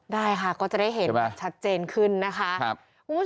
ได้ค่ะก็จะได้เห็นชัดเจนขึ้นนะคะ